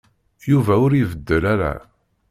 Yuba ur ibeddel ara.